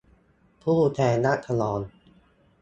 ผู้แทนราษฎร